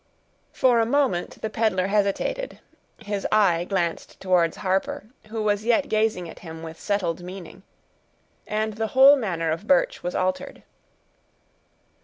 For a moment the peddler hesitated; his eye glanced towards Harper, who was yet gazing at him with settled meaning, and the whole manner of Birch was altered.